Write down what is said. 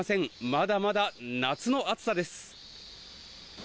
まだまだ夏の暑さです。